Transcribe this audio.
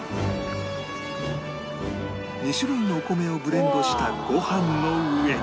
２種類のお米をブレンドしたご飯の上に